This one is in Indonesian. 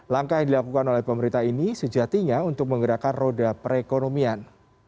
langkah yang dilakukan oleh pemerintah ini sejatinya untuk menggerakkan roda perekonomian